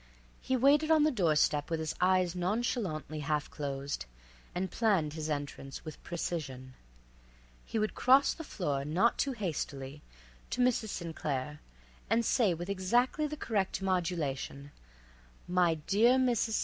He waited on the door step with his eyes nonchalantly half closed, and planned his entrance with precision. He would cross the floor, not too hastily, to Mrs. St. Claire, and say with exactly the correct modulation: "My dear Mrs. St.